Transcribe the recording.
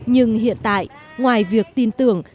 nhưng hiện tại ngoài việc tin tưởng